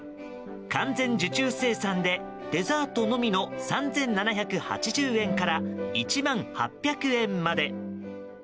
完全受注生産でデザートのみの３７８０円から１万８００円まで。